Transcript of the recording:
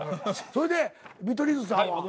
それで見取り図さんは？